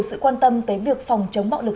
sự quan tâm tới việc phòng chống bạo lực